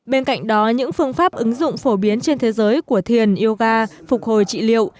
bên cạnh đó những phương pháp ứng dụng phổ biến trên thế giới của thiền yoga phục hồi trị liệu